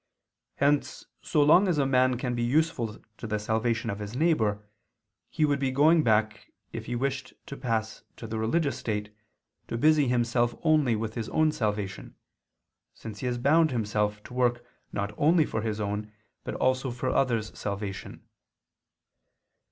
Hence so long as a man can be useful to the salvation of his neighbor, he would be going back, if he wished to pass to the religious state, to busy himself only with his own salvation, since he has bound himself to work not only for his own but also for others' salvation.